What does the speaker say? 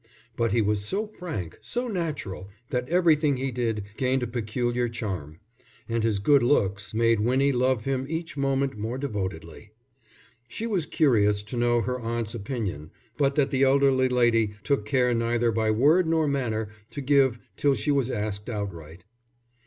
But he was so frank, so natural, that everything he did gained a peculiar charm, and his good looks made Winnie love him each moment more devotedly. She was curious to know her aunt's opinion; but that the elderly lady took care neither by word nor manner to give, till she was asked outright.